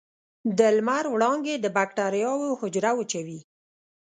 د لمر وړانګې د بکټریاوو حجره وچوي.